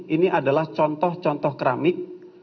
ini adalah contoh contoh keramik